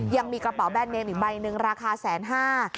ยังมีกระเป๋าแบรนเนมอีกใบหนึ่งราคาแสนห้า